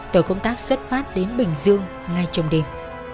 tổ công tác xuất phát đến bình dương ngay trong đêm